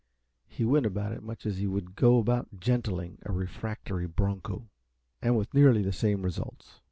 He went about it much as he would go about gentling a refractory broncho, and with nearly the same results.